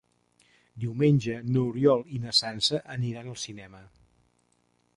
Diumenge n'Oriol i na Sança aniran al cinema.